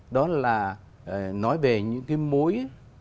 đó là nói về những cái mối